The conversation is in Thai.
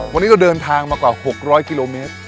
วันนี้เราเดินทางมากว่า๖๐๐กิโลเมตร